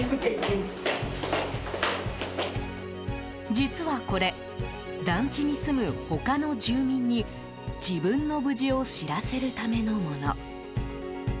実はこれ団地に住む他の住民に自分の無事を知らせるためのもの。